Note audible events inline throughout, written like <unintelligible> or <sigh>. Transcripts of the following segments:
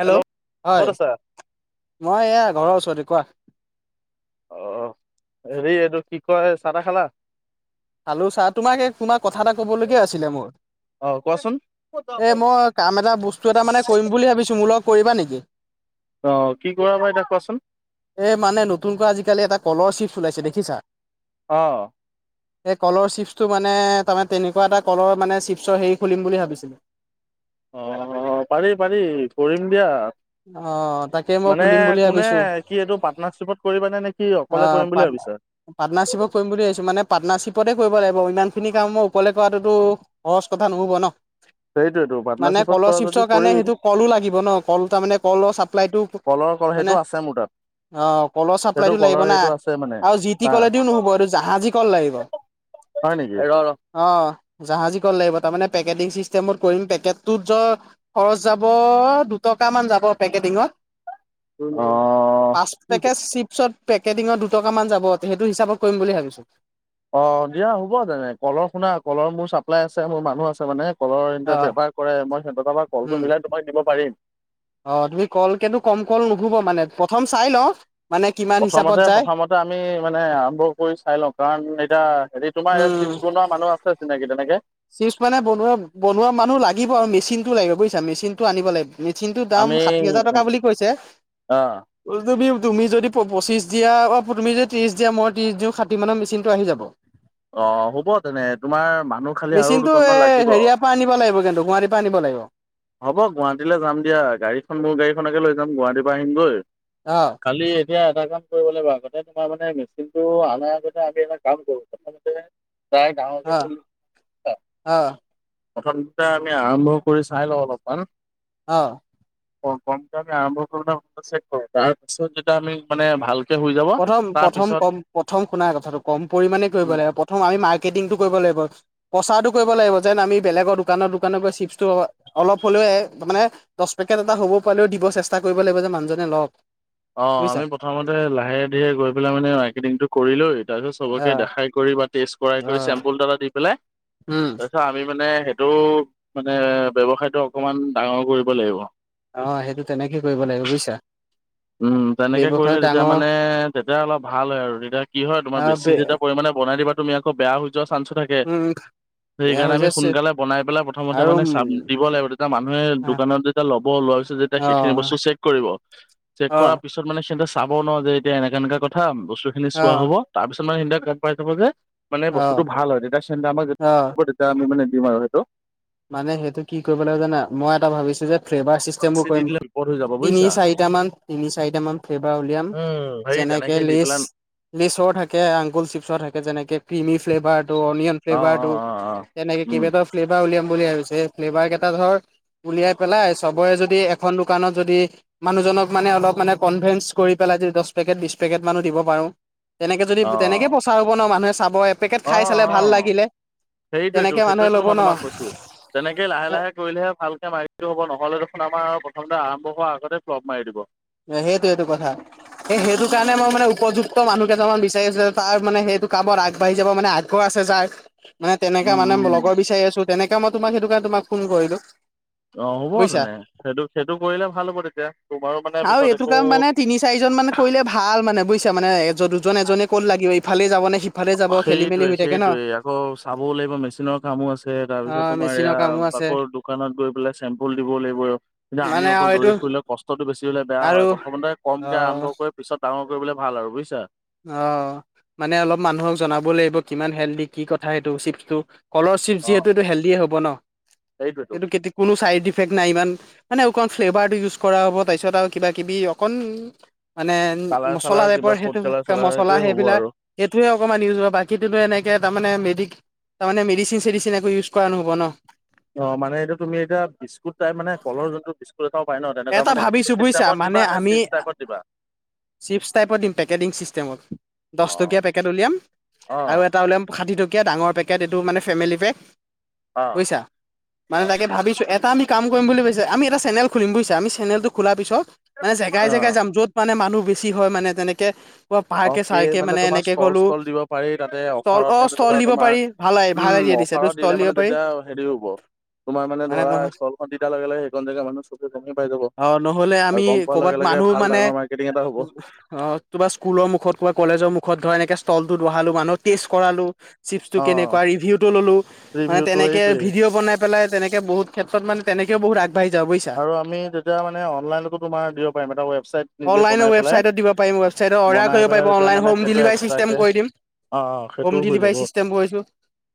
Hello, ক'ত হয়, আছা মই এয়া ঘৰৰ ওচৰতে কোৱা। অ', হেৰি এইটো কি কয়, চাহ তাহ খালা? খালো চাহ, তোমাক এই তোমাক কথা এটা কবলগীয়া আছিলে মোৰ। অ কোৱাচোন এ, মই কাম এটা বস্তু এটা মানে কৰিম বুলি ভাবিছোঁ, মোৰ লগত কৰিবা নিকি? অ কি কৰা বা এতিয়া কোৱাচোন এ, মানে নতুনকৈ আজিকালি এটা কলৰশ্বিপ <unintelligible> ইছে দেখিছা? অ'। এই কলৰ চিপছটো মানে, তাৰমানে তেনেকুৱা এটা কলৰ মানে চিপছৰ হেৰি খুলিম বুলি ভাবিছিলোঁ। অ', পাৰি, পাৰি কৰিম দিয়া। অ তাকে মই মানে খুলিম বুলি কোনে, ভাবিছো কি এইটো পাৰ্টনাৰশ্বিপত কৰিবানে নে, কি অকলে কৰিম বুলি ভাবিছা? পাটৰ্নাৰশিপক কৰিম বুলি ভাবিছো মানে পাটৰ্নাৰশ্বিপতে, কৰিব লাগিব ইমান খিনি কাম মই অকলে কৰাটোতো সহজ কথা নহ'ব ন। সেইটোয়েতো মানে পাৰ্টনাৰশ্বিপত কলৰ কৰা যদি চিপচৰ কাৰণে কৰিম সেইটো কলো লাগিব ন কল মানে কলৰ চাপ্লাইতো কলৰ কল মানে সেইটো আছে মোৰ তাত অ' কলৰ সেইটো চাপ্লাইতটো কলৰ লাগিব না সেইটো আছে মানে আৰু জি টি হা কলেওদি নহব এইটো জাহাজী কল লাগিব। হয় নেকি অ' জাহাজী কল লাগিব তাত। মানে পেকেটিং চিষ্টেমত কৰিম পেকেটত য খৰচ যাব দুট দুটামান যাব পেকেটিঙত অ পাঁচ পেকেট চিপছত। পেকেটিঙত দুটকা মান যাব সেইটো হিচাপত কৰিম বুলি ভাবিছো। অ দিয়া হ'ব তেনে কলৰ শুনা কলৰ মোৰ চাপ্লাই আছে মোৰ মানুহ আছে মানে। কলৰ অ ইহঁতে বেপাৰ কৰে মই সিহঁতৰ তাৰ পৰা কলটো উম মিলাই তোমাক দিব পাৰিম। অ' তুমি কলকেতো কম কল নুশুমাবা মানে প্ৰথম চাই লওঁ। মানে কিমান হিচাপত যায় প্ৰথমতে-প্ৰথমতে আমি মানে আৰম্ভ কৰি চাই লওঁ কাৰণ এতিয়া হেৰি তোমাৰ। কোনোবা মানুহ আছে চিনাকি তেনেকে। চুইচ মানে বনোৱা, বনোৱা মানুহ লাগিব আৰু মেচিনতটো লাগিব বুজিছা মেচিন টো আনিব লাগিব। মেচিনটোৰ দাম আমি ষাঠি হাজাৰ টকা বুলি কৈছে। আহ তুমি যদি পঁচিশ দিয়া অ' তুমি ত্ৰিশ দিয়া মই ত্ৰিশ দিওঁ ষাঠি মানত মেচিন টো আহি যাব। অ' হ'ব তেনে তোমাৰ মানুহ। খালি আৰু মেচিনটো এ দুজনমান লাগিব হেৰিয়াৰ পৰা আনিব লাগিব কিন্তু গুৱাহাটী পৰা আনিব লাগিব। হ'ব গুৱাহাটীলৈ যাম দিয়া গাড়ীখন মোৰ গাড়ী কে লৈ যাম গুৱাহাটীৰ পৰা আহিমগৈ অ কালি। এতিয়া এটা কাম কৰিব লাগিব আগতে। তোমাৰ মানে মেচিনটো অনাৰ আগতে আমি এটা কাম কৰো। প্ৰায় গ্ৰাহকে অ চল। অ প্ৰথম দুটা আমি আৰম্ভ কৰি চাই লওঁ অলপমান অ মক আমি আৰম্ভ কৰে কৰো তাৰপিছত যেতিয়া আমি মানে ভাল প্ৰথম প্ৰথম কম প্ৰথম শুনাৰ কথাটো কম পৰিমাণে কৰিব উম, লাগে। প্ৰথম আমি মাৰ্কেটিংটো কৰিব লাগিব। প্ৰচাৰো কৰিব লাগিব যেন আমি বেলেগৰ দোকানৰ দোকানৰ পৰা চিপটো অলপ হ'লেও মানে দহ পেকেট এটা হ'ব পেও দিব চেষ্টা কৰিব লাগিব যে মানুহজনে লওক। অ বুজিছা আমি প্ৰথমতে লাহে ধীৰে গৈ পেলাই মানে মাৰকেটিংটো কৰিলৈ। তাৰপিছত অ চবকে দেখাই কৰি বা টেষ্ট কৰাই অ কৰি চেম্পুল এটা দি পেলাই উম তাৰপিছত আমি মানে। এইেইটো মানে ব্যৱসায়টো অকমান ডাঙৰ কৰিব লাগিব অ সেইটো তেনেকে কৰিব লাগিব বুজিছা। উম তেনেকে কৰিলে ব্যৱসায় তেতিয়া ডাঙৰ মানে তেতিয়া অলপ ভাল হয় আৰু তেতিয়া কি হয় তোমাৰ আহ বেছি বে যেতিয়া পৰিমাণে জনাই দিবা তুমি আকৌ বেয়া হৈ যোৱা চান্সো থাকে। উম সেই বেয়া কাৰণে হৈ আমি যাইছে সোনকালে বনাই পেলাই প্ৰথমতে আৰু মানে উম চাব দিব লাগিব। তেতিয়া মানুহে অ দোকানত যেতিয়া ল'ব। ওলোৱা পিছত অ সেই বস্তখিনি চেক কৰিব। চেক অ কৰাৰ পিছত মানে সিহতে চাব ন যে এতিয়া এনেকা এনেককা কথা বস্তুখিনি চোৱা হ'ব অ তাৰ পিছত। কিছুমান চিন্তা গ পাই থাকাব যে মানে বস্তুতটো ভাল হয় তেতিয়া চিন্তা অ আমাৰ তেতিয়া আমি মানে। কিমাৰ হেয়তো। মানে সেইটো কি কৰিব লাগিব জানে মই এটা ভাবিছোঁ যে ফ্লেভাৰ চিষ্টেমো বেছি দি কৰিম দিলে বিপদ হৈ যাব তিনি বুজিছা চাৰিটামান তিনি চাৰিটামান ফ্লেভাৰ উলিয়াম সেই যেনেকে তেনেকে দি লেজ পেলাই লেচৰ থাকে আংগুল চিপছৰ থাকে যেনেকে ক্ৰিমি। টো ফেলভাৰটো অনিয়ন অ অ ফেলছভাৰটো অ অ তেনেকৈ উম কেবাটাও ফেললভাৰ উলিয়ায়। বুলি ভাবিছে ফ্লেভাৰ কেইটা ধৰ উলিয়াই পেলাই চবৰে যদি এখন দোকানত যদি মানুহজনক মানে অলপ মানে কনভিনস কৰি পেলাই। দচ পেকেট, বিচ্ছ পেকেট দিব পাৰো তেনেকে। অ তেনেকে অ প্ৰচাৰ হ'ব। চাব এপেকেট খাই অ', চালে অ ভাল লাগিলে তেনেকে সেইটোয়ে মানুহে সেইটোয়ে ল'ব মই ন তোমাক কৈছো। তেনেকেই লাহে লাহে কৰিলেহে ভালকে মাৰি। টো হ'ব নহ'লে দেখোন আমাৰ প্ৰথমতে আৰম্ভ হোৱাৰ আগতে প্লব মাৰি দিব। সেইটো এইটো কথা। সেই সেইটো কাৰণে মই মানে উপযুক্ত মানুহ কেইজনামমান বিচাৰিছো তাৰ মানে সেইটো কাম আগবাঢ়ি যাব মানে আগ্ৰহ আছে। য মানে তেনেকা উম মানে উম লগৰ বিচাৰি আছো তেনেককাে মই তোমাক সেইটো কাৰণে তোমাক ফোন কৰিলো অ হ'ব বুজিছা তেনে সেইটো সেইটো কৰিলে ভাল হ'ব তেতিয়া তোমাৰো। মানে আৰু পিছত এইটো কাম একো মানে তিনি চাৰিজন মানে কৰিলে ভাল মানে বুজিছে মানে এ দুজন এজনে ক'ত লাগিব ইফালে যাব নে সিফালে যাব খেলি মেলি সেইটোয়ে হৈ থাকে ন সেইটোয়ে আকৌ চাবও লাগিব মেচিনৰ কামো আছে তাৰপিছত অ তোমাৰ মেচিনৰ এয়া কামো আছে বাকৰ দোকানত গৈ পেলাই চেম্পুল দিব লাগিব। আৰু কিন্তু আমি মানে অকল আৰু দৌৰি এইটো ফুৰিলে কষ্টতটো বেছি। লে বেয়া হয় আৰু প্ৰথমতে অ কমকে আৰম্ভ কৰি পিছত ডাঙৰ কৰিবলৈ ভাল আৰু বুজিছা। অ মানে অলপ মানুহক জনাব লাগিব। কিমান হেল্ডি কি কথা সেইটো চিপছটো স্কলৰশ্বিপ অ যিহেতু এইটো হেল্ডিয়ে হ'ব ন সেইটোৱেতো এইটো কোনো চা ইফেক্ট নাই ইমান মানে অকণ ফ্লেভাৰটো ইউজ কৰা হ'ব। তাৰপিছত আৰু কিবা কিবি অকণ। মানে কালাৰ মছলা চালাৰ কিবা টাইপৰ ফুড সেইটো কালাৰ চালাৰ মছলা সেইটোৱে হ'ব সেইবিলাক আৰু সেইটোয়ে অকনমান ইউজ হয় বাকীতো এনেকে। তাৰ মে ম তাৰে মেডিচিন চেডিচিন একো ইউজ কৰা নহ'ব ন। অ মানে এইটো তুমি এতিয়া বিস্কুট টাই মানে কলৰ যোনটো বিস্কুট। এটাও পাই ন তেনেকুৱা এটা মানে সেইটো ভাবিছো বুজিছা চিষ্টেমত দিবা মানে নে আমি। চিপছ টাইপত দিবা চিপ্ছ টাইপৰ দিম পেকেটিং চিষ্টেমত অ দহটকীয়া পেকেট উলিয়াম। অ আৰু এটা ওলে ষাঠিটকী‌য়া তি ডাঙৰ পেকেট এইটো মানে ফেমিলি পেক অ বুজিছা মানে অ তাকে ভাবিছোঁ। টা আমি কাম কৰিম বুলি ভাবিছে, আমি এটা চেনেল খুলিম বুইছা? আমি চেনেলটো খোলা পিছত মানে অ জেগাই-জেগাই যাম, য'ত মানে মানুহ বেছি হয় মানে তেনেকে অ পে প-পাৰ্কে-চাৰ্কে মানে তোমাৰ এনেকে ষ্টল গ'লো, ষ্টল দিব পাৰি তাতে অফাৰত ষ্টল-অ', মানে ষ্টল ধৰা দিব তোমাৰ পাৰি। ভাল-আই-ভাল উম, অফাৰত দিলে মানে তেতিয়া হেৰি হ'ব তোমাৰ মানে ধৰা ষ্টলখন দি দিয়া লগে-লগে সেইকণ জেগা মানুহ চবে গমে অ', নহ'লে আমি ক'বাত মানুহ ভাল মানে, ডাঙৰ মাৰ্কেটিং এটা হ'ব। অ', তুবা স্কুল ৰ মুখত, ক'বাত কলেজৰ মুখত ধৰা এনেকে ষ্টলটো বহালো। মানুহক টেষ্ট কৰালো। চিপছ্টো অ', কেনেকুৱা? ৰিভিউটো ললোঁ। মানে ৰিভিউটো তেনেকে এইটোৱেই ভিডিঅ' বনাই পেলাই তেনেকে বহুত ক্ষেত্ৰত মানে তেনেকে বহুত আগবাঢ়ি যাওঁ, বুজিছা? আৰু আমি তেতিয়া মানে অনলাইনটো তোমাৰ দিব পাৰিম, এটা ৱেবছাইট নিজে অনলাইনৰ বনাই পেলাই। ৱেবছাইটত দিব পাৰিম ৱেবছাইটত বনাই অৰ্ডাৰ বনাই কৰিব পাৰিব পেলাই তেতিয়া অনলাইন মানে হোম সেইটো ডেলিভাৰী এক্সট্ৰা চিষ্টেম কে, কৰি দিম অ', অ', হোম সেইটো হৈ ডেলিভাৰী যাব। চিষ্টেম কৰিছোঁ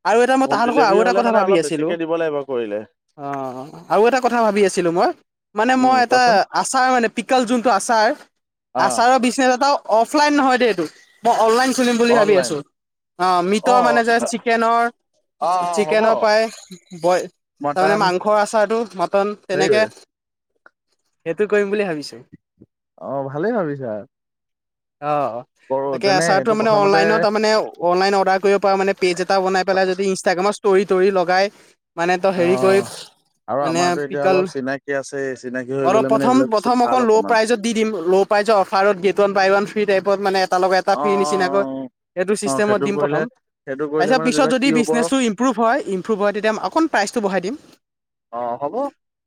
আৰু এটা মই হোম তাহাঁলোকৰ আৰু ডেলিভাৰী এটা হ'লে কথা মানে ভাবি অলপ আছিলোঁ বেছিকে দিব লাগিব কৰিলে। অ' আৰু এটা কথা ভাবি আছিলোঁ মই মানে উম, মই এটা কোৱাচোন আচাৰ মানে পিকল যোনটো আচাৰ অ', আচাৰৰ বিজনেছ এটা, অফলাইন নহয় দেই এইটো মই অনলাইন খুলিম বুলি ভাবি অনলাইন আছো। অ', মিটৰ অ', মানে যে চিকেনৰ অ হ'ব চিকেনৰ পায়, বইল তাৰমানে মটন মাংসৰ আচাৰটো, মটন তেনেকে সেইটোৱে সেইটো কৰিম বুলি ভাবিছো। অ', ভালেই ভাবিছা। অ', কৰো তাকে তেনে আচাৰটো এইটো মানে প্ৰথমতে অনলাইনত তাৰ মানে, অনলাইন অৰ্ডাৰ কৰিব পাৰ মানে, পেজ এটা বনাই পেলাই যদি ইনষ্টাগ্ৰামত ষ্টৰি, তৰি লগাই। মানে তই হেৰি অ', কৰি, আৰু মানে আমাৰতো এতিয়া পিকল অলপ চিনাকি আছে চিনাকি হৈ অলপ গ'লে মানে এইবিলাক বস্তুত প্ৰথম-প্ৰথম ভাল অকণ ল' অকমান প্ৰাইজত দি দিম, ল' প্ৰাইজৰ অফাৰত গেট ওৱান বাই ওৱান ফ্ৰী টাইপত মানে এটা লগত এটা অ', অ', ফ্ৰী নিচিনাকৈ, এইটো অ', অ', অ ছিষ্টেমত সেইটো দিম কৰিলে প্ৰথম। সেইটো কৰিলে তাৰছত মানে পিছত তেতিয়া যদি কি হ'ব বিজনেছটো ইমপ্ৰুভ হয়, ইমপ্ৰুভ হয়, তেতিয়া অকণ প্ৰাইচটো বঢ়াই দিম। অ, হ'ব।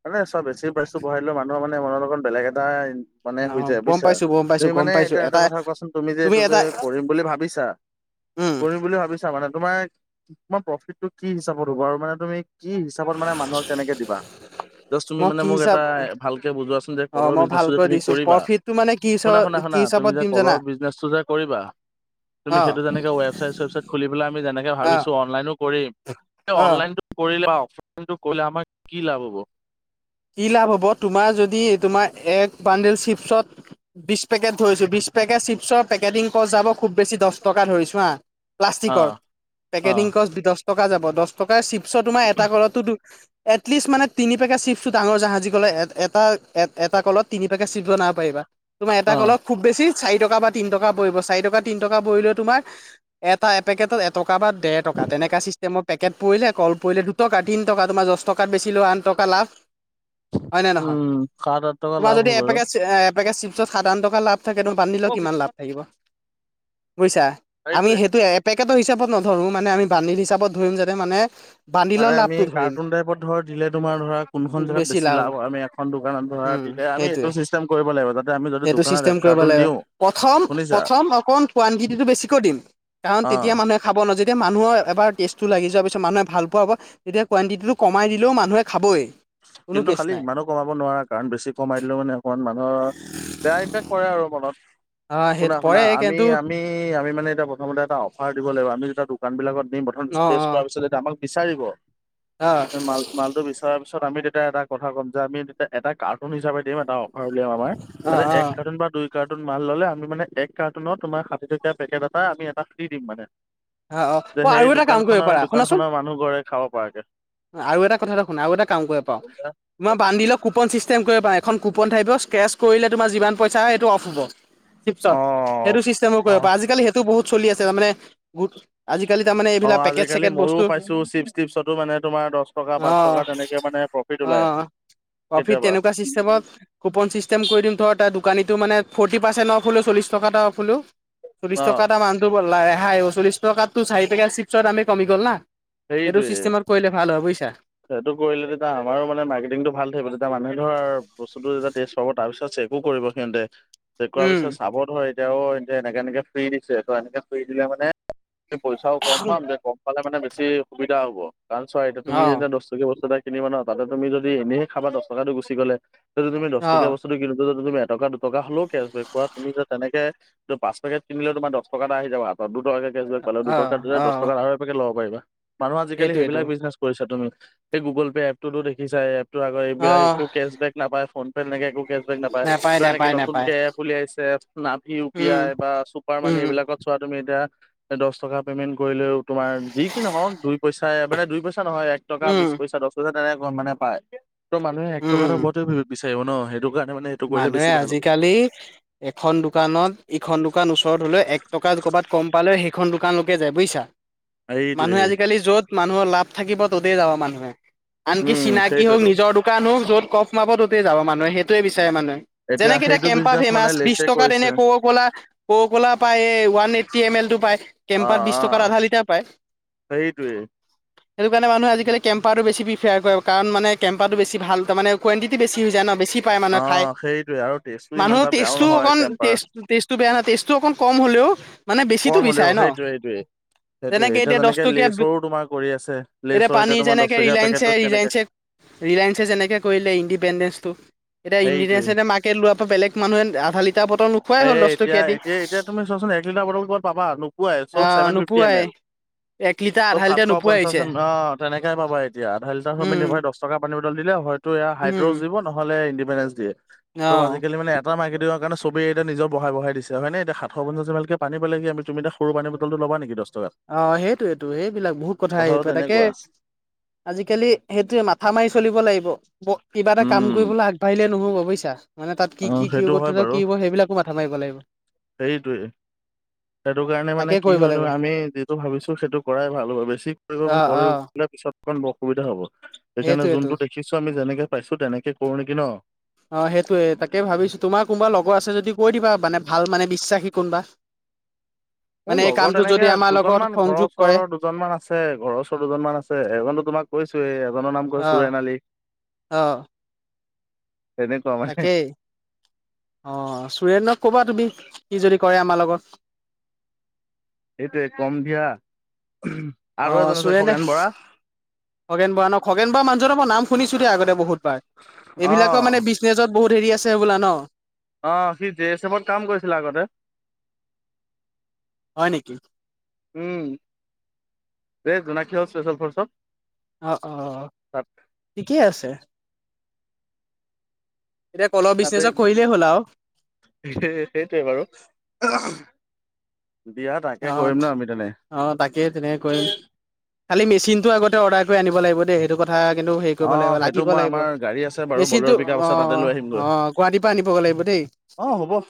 মানে চোৱা বেছি প্ৰাইচটো বঢ়াই দিলে মানুহৰ মানে মনত অকণ বেলেগ এটা ই মানে হৈ নহয় যায় গম বুইছা? পাইছো গম পাইছো তুমি গম মানে পাইছো এতিয়া এটা কথা কোৱাচোন, তুমি যে এইটো যে কৰিম বুলি ভাবিছা উম কৰিম বুলি ভাবিছা মানে? তোমাৰ, তোমাৰ প্ৰফিটটো কি হিচাপত হ'ব আৰু মানে তুমি কি হিচাপত মা মানুহক তেনেকে দিবা? যাষ্ট তুমি মই মানে কি মোক হিচাপ এটা ভালকে বুজোৱাচোন, যে অ', কলৰ মই বিজনেচটো যে ভালকৈ তুমি দিছো কৰিবা, প্ৰফিটটো মানে কি শুনা হিচাপ শুনা কি শুনা, তুমি হিচাপত যে দিম জানা কলৰ বিজনেচটো যে কৰিবা তুমি অ'। সেইটো যেনেকে ৱেবচাইট- চুৱেবচাইট খুলি পেলাই আমি যেনেকে অ', ভাবিছো অনলাইনো কৰিম অ', অনলাইনটো কৰিলে বা অফলাইনটো কৰিলে আমাৰ কি লাভ হ'ব? কি লাভ হ'ব, তোমাৰ যদি তোমাৰ এক বান্দেল চিপছত বিশ পেকেট ধৰিছো, বিশ পেকেট চিপছৰ পেকেটিং কষ্ট যাব, খুব বেছি দহ টকা ধৰিছোঁ হাঁ অ প্লাষ্টিকৰ, অ পেকেটিং খৰচ দছ টকা যাব, দছ টকাই চিপ চৰ তোমাৰ এটা কলতটো দু-এটলিষ্ট মানে তিনি পেকেট চিপচ চু ডাঙৰ জাহাজী ক'লে এটা-এট এটা কলত তিনি পেকেট চিপছ্ বনাব পাৰিবা। তোমাৰ এটা অ কলত খুব বেছি চাৰি টকা বা তিন টকা পৰিব, চাৰি টকা তিন টকা পৰিলে তোমাৰ এটা এপেকেটত এটকা কা বা ডেৰ টকা, তেনেকা চিষ্টেমত পেকেট পৰিলে, কল পৰিলে দুটকা, তিন টকা, তোমাৰ দছ টকাত বেচিলেও আঠ টকা লাভ হয় নে নহয়? উম সাত আঠ টকা তোমাৰ লাভ যদি হয় বাৰু এপেকেট চে-এ পেকেট চিপছ্ত সাত-আঠ টকা লাভ থাকে, তোমাৰ বাণ্ডেলত কিমান লাভ থাকিব? বুইছা? আমি সেইটোৱে সেটো এপেকেটৰ হিচাপত নধৰো, মানে আমি বাণ্ডেল হিচাপত ধৰিম যাতে মানে মানে বান্দিলৰ আমি লাভটো ধৰিম কাৰ্টুন টাইপত ধৰ দিলে তোমাৰ ধৰা কোনো এখন জেগাত বেছি লাভ হয়। আমি এখন দোকানত ধৰা উম দিলে, আমি এইটো সেইটোৱে চিষ্টেম কৰিব লাগিব, যাতে আমি যদি দোকানত এক কাৰ্টুন লে, দিওঁ প্ৰথম, শুনিছা প্ৰথম অকণ কুৱান্তিতিটো বেছিকৈ দিম, কাৰণ অ তেতিয়া মানুহে খাব ন' যেত যেতিয়া মানুহৰ এবাৰ টেষ্টটো লাগি যোৱাৰ পিছত মানুহে ভাল পোৱা হ'ব, তেয়া কুৱণ্টিটিটো কমাই দিলেও মানুহে খাবই। কোনো কিন্তু কেচ খালি নাই। ইমানো কমাব নোৱাৰা কাৰণ বেছি কমাই দিলও মানে অকণমান মান অ বেয়া ইমফেক্ট কৰে আৰু মনত অ সেই শুনা শুনা পৰে আমি কিন্তু আমি আমি মানে প্ৰথমতে এটা অফাৰ দিব লাগিব আমি যেতিয়া দোকানবিলাকত হে প্ৰথম অ ষ্টেজ অ কৰাৰ পিছতহে আমাক বিচাৰিব অ মালটো বিচাৰাৰ পিছত আমি তেতিয়া এটা কথা ক'ম যে আমি তেতিয়া এটা কাৰ তহুন হিচাপে দিম এটা অফাৰ উলিয়াম আমাৰ অ যাতে অ এক কাৰ্টুন বা দুই কাৰ্টুন সেইটোত মাল ললে আমি মানে এক কাৰ্টুনত তোমাৰ ষাঠি টকীয়া পেকেট এটা আমি এটা ফ্ৰী দিম মানে অ অ যে অ সেই আৰু এটা দোকান কাম কৰিব খনৰ পাৰা দোকান শুনাচোন খনৰ মানুহ ঘৰে খাব পৰাকে আৰু এটা কথা এটা শুনা আৰু এটা কাম কৰিব পাওঁ তোমাৰ বান্ধি লও কুপন চিষ্টেম কৰিব পাওঁ এখন কুপন কুপন থাকিব স্কেছ কৰিলে তোমাৰ যিমান পইচা আহে সেইটো অফ হ'ব অ তিপছত সেইটো চিষ্টেমো অ কৰিব আজিকালি সেইটো বহুত চলি আছে তাৰমানে বহুত আজিকালি তাৰমানে অ এইবিলাক পেকেট আজিকালি চেকেট মইও বস্তু পাইছো চিপছ টিপছতো মানে তোমাৰ দহ টকা অ পাঁচ টকা তেনেকে মানে প্ৰফিট অ ওলাই প্ৰফিট কেতিয়াবা তেনেকুৱা চিষ্টেমত কুপন চিষ্টেম কৰি দিম ধৰ তাত দোকানীটো মানে ফৰ্তি পাৰ্চনৰ ফুলো চল্লিশ টকা অফুলো অ চলিশ টকাটা মানটো বলে খাই অ চল্লিছ টকা টো চাৰি পেকেত চিপছৰ দামে কমি গ'ল না সেইটো সেইটোৱে চিষ্টেমত কৰিলে ভাল হয় বুজিছা সেইটো কৰিলে তেতিয়া আমাৰ মানে মাৰ্কেটিংটো ভাল থাকিব তেতিয়া মানুহে ধৰ বস্তুটো যেতিয়া টেষ্ট পাব তাৰ পিছত একো কৰিব সিহঁতে চেক কৰাৰ পিছত উম চাব ধৰ এতিয়াও এয়া এনেকে এনেকে ফ্ৰী দিছে ত এনেকে ফ্ৰী দিলে মানে পইচাও গম পাম যে গম পালে মানে বেছি সুবিধা হ'ব কাৰণ চোৱা এইটো তুমি অ যে টকীয়া বস্তু এটা কিনিব না তাতে তুমি যদি এনে খাবা দশ টকা টো গুচি গলে তে তুমি দশ টকীয়া অ', বস্তু কিনো যদি তুমি এটকা দুটকা হ'লেও কেচ বেক কৰা তুমি যে তেনেকে যে পাঁচ পেকেট কিনিলে তোমাৰ দহ টকাটা আহি যাব আ দুটাকে কেচ বেক পালা অ', দুটকা দহ অ', টকাত আৰু এক পেকড লব পাৰিবা মানুহ আজিকালি সেইটোৱেটো সেইবিলাক বিজনেছ কৰিছা তুমি এই গুগল পে' এপটোতো দেখিছাৱে এই এপটোৰ আগ এইবিলাক অ', একো কেচ বেক নাপাই ফোন পে একে একো কেচ বেক নাপায় ত নেপায়, এনেকে নেপায়, নতুন নেপায়। কেপ উলিয়াইছে নাভি ইউ পি উম, আই বা চুপাৰ মানি উম, এইবিলাকত চোৱা তুমি এতিয়া কৰিলেও তোমাৰ যি কি নহওঁক দুই পইচা মানে দুই পইচা নহয় এক টকা উম, বিশ পইচা দশ হাজাৰ তেনে কয় মানে পায় ত' মানুহে এক টকা উম, ওপৰত বিচাৰিব ন সেইটো কাৰণে মানে এইটো কৰিলে বেছি মানুহে ভাল হ'ব। আজিকালি এখন দোকানত ইখন দোকান ওচৰত হলেও এক টকা কবাট কম পালে সেইখন দোকানলৈকে যাই বুজিছা মানুহে সেইটোৱে আজিকালি য'ত মানুহৰ লাভ থাকিব ত'তেই যাব মানুহে আনকি উম চিনাকি হওঁক সেইটোৱেতো নিজৰ দোকান হওক য'ত। কফ মাব তোতেই যাব মানুহে সেইটোৱে বিচাৰে যাই মানে এতিয়া যেনেকে এতি সেইটো কেম্পা বিজনেচ মানে ফেমাচ বিশ লেচে টকাত কৰিছে। এনে কক কলা পায়ে ওৱান। ফিভটি এ মেল অ কেম্পাৰ বিশ টকাৰ অ আধা লিটাৰ পায় সেইটোৱে সেইটো কাৰনে মানুহে আজিকালি কেম্পাৰটো বেছি প্ৰিফয়াৰ কৰে কাৰণ মানে কেম্পাৰটো বেছি ভাল মানে কণ্টিটি বেছি যায় ন বেছি পায় সেয়াই অ মানুহে খাই সেইটোৱে আৰু টেষ্টটো ইমান মানুহৰ এটা বেয়াও টেষ্টো নহয় অকণ কেম্পাৰ। টেষ্টটো বেয়া নহয় টেষ্টটো অকণ কম হ'লেও মানে বেছিটো কম হ'লেও বিচাৰে ন সেইটোৱে সেইটোৱে সেইটোৱে যেনেকে এতিয়া দহটকীয়া লেচৰো তোমাৰ কৰি আছে এতিয়া লেচৰ পানী তোমাৰ দহ যেনেকে টকীয়া ৰিলায়েন্স পেকেটত কেনেকে ৰিলায়েঞ্চ ৰিলায়েঞ্চে যেনেকৈ কৰিলে ইণ্ডিপেণ্ডেন্ঞ্চটো এতিয়া সেইটোৱে ইণ্ডিনে মাকে লোৱাৰপ বেলেগ মানুহে আধা লিটাৰ বটল নুখোৱাই হল দহ টকীয়া দি টাৰ ব পাবা নোোৱাই চব আহ চভে ফিফম নোপোৱাই এল <unintelligible> এক লিটাৰ তব আধা লিটাৰ সাতশ নোপোৱাই পঞ্চাশ হৈছে অ' তেনেকে পাবা এতিয়া আধা লিটাৰ ফ্ৰমিলি উম দশ টকা পানী বটল এইডাল দিলেও হয় এয়া উম অ হয়তো <inaudible> চবেই এতিয়া নিজৰ বহাই বহাই দিছে হয় নে এতিয়া সাতশ পঞ্চাজনানকে পান পালে কি তুমি এতিয়া সৰু পানী বটলটো লবা নেকি দশ টকাত অ সেইটোৱেটো সেইবিলাক বহুত কথা হেৰীৰ কথাটো পৰা তাকে তেনেকুৱা আজিকালি সেইটোৱে মাথা মাৰি চলিব লাগিব ব কিবা এটা কাম উম কৰিবলৈ আগবাঢ়িলে নহ'ব বুজিছা মানে তাত কি অ কি সেইটো কি হয় বাৰু কি হব সেইবিলাকো মাথা মাৰিব লাগিব সেইটোৱে সেইটো কাৰণে মানে তাকে কি কৰিব হয় লাগিব তুমি আমি ভাবিছো সেইটো কৰাই ভাল হ'ব বেছি কৰিব অ মানে অ কলেও কিবা পিছত অকণ অসুবিধা হ'ব। সেইকাৰণে সেইটোয়েতো যোনটো দেখিছোঁ আমি যেনেকে পাইছো তেনেকে কৰো নেকি ন'? অ, সেইটোৱে তাকে ভাবিছো তোমাৰ কোনোবা লগৰ আছে যদি কৈ দিবা মানে ভাল মানে বিশ্বাসী কোনবা। মোৰ লগৰ তেনেকে আমাৰ লগত দুজনমান ঘৰৰ সংযোগ কৰে ওচৰৰ দুজনমান আছে ঘৰৰ ওচৰ দুজনমান আছে এজনতো তোমাৰ তোমাক কৈছোৱে এজনৰ নাম কৈ অ চুৰেন আলি অ', তেনেকুৱা মানে তাকেই অ, চুৰেনক কবা তুমি। সি যদি কৰে আমাৰ লগত। সেইটোৱে কম দিয়া। অ, আৰু এজন আছে চুৰেনে খগেন বৰা খগেন বৰা, ন খগেন বৰা মানুহজনৰ মই নাম শুনিছো দেই আগতে বহুতবাৰ এইবিলাকৰ অ'। মানে বিজনেচত বহুত হেৰি আছে বোলা ন! অ', সি জে এছ এফত কাম কৰিছিলে আগতে। হয় নেকি! উম, এই জোনাকী হল স্পেচেল ফৰ্চত। অ', অ', তাত ঠিকেই আছে। এতিয়া কলৰ তাতে বিজনেচত কৰিলেই হ'ল আৰু সেইটোৱে, সেইটোৱে বাৰু দিয়া তাকে আহ, কৰিম ন আমি তেনে। আহ তাকেই তেনেকে কৰিম। খালি মেচিন টো আগতে অৰ্ডাৰ কৰি আনিব লাগিব দে সেইটো কিন্তু হে অ কৰিব লাগিব, সেইটো লাগিব, মই লাগিব আমাৰ গাড়ী আছে বাৰু মেচিনতটো বলেৰ' পিক আপ আছে তাতে অঁ লৈ অঁ গুৱাহাটীৰ পৰা আনিব লাগিব। লাগিব দেই। অঁ হ'ব।